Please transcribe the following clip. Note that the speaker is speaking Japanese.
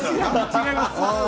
違います。